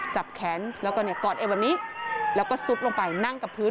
จับแขนแล้วก็เนี่ยกอดเอวแบบนี้แล้วก็ซุดลงไปนั่งกับพื้น